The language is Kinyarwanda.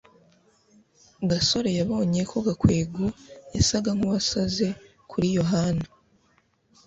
gasore yabonye ko gakwego yasaga nkuwasaze kuri yohana